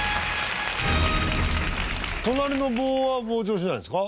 隣の棒は膨張しないんですか？